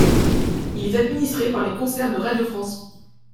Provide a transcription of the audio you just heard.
Il est administré par Les Concerts de Radio France.